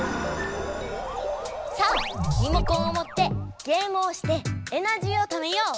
さあリモコンをもってゲームをしてエナジーをためよう！